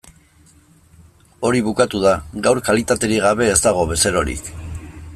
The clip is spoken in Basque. Hori bukatu da, gaur kalitaterik gabe ez dago bezerorik.